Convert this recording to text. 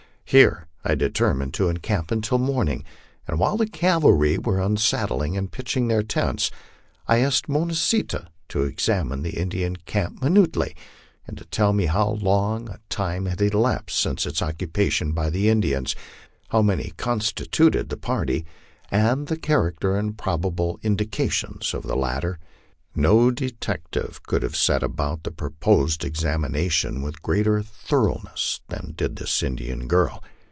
Here I de termined to encamp until morning, and while the cavalry were unsaddling and pitching their tents, I asked Mo nah see tah to examine the Indian camp minutely and to tell me how long a time had elapsed since its occupation by the Indians, how many constituted the party, and the character and probable indications of the latter. No detective could have set about the proposed examination with great er thoroughness than did this Indian girl.